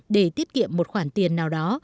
để tiết kiệm một khoản tiền nào đó